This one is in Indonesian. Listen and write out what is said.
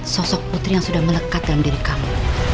sosok putri yang sudah melekat dalam diri kamu